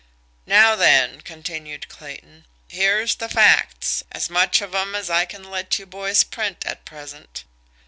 "Now, then," continued Clayton, "here's the facts as much of 'em as I can let you boys print at present.